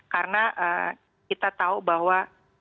karena kita tahu bahwa